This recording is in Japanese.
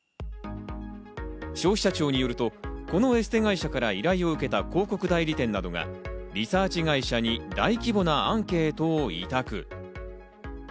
消費者庁によるとこのエステ会社から依頼を受けた広告代理店などが、リサーチ会社に大規模なアンケートを委託。